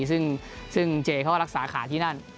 ซึ่งเจนี่เขารักษาขาดที่นั่น